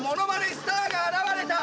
スターが現れた！